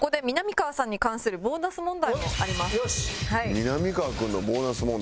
みなみかわ君のボーナス問題？